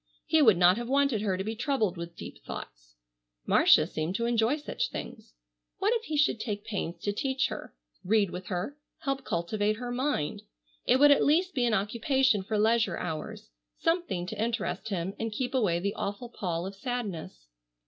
He would not have wanted her to be troubled with deep thoughts. Marcia seemed to enjoy such things. What if he should take pains to teach her, read with her, help cultivate her mind? It would at least be an occupation for leisure hours, something to interest him and keep away the awful pall of sadness.